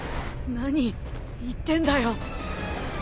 何言ってんだよ？